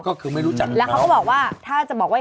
ก็คือไม่รู้จักกับเขาแล้วเขาก็บอกว่า